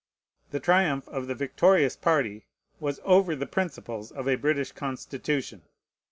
The triumph of the victorious party was over the principles of a British Constitution.